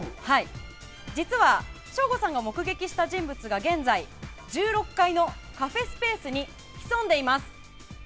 実は、省吾さんが目撃した人物が現在、１６階のカフェスペースに潜んでいます。